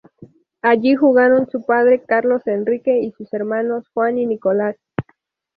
Allí jugaron su padre Carlos Enrique y sus hermanos Juan y Nicolás.